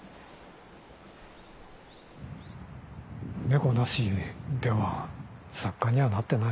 猫なしでは作家にはなってないね。